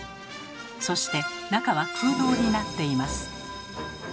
そして中は空洞になっています。